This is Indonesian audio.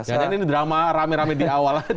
jangan jangan ini drama rame rame di awal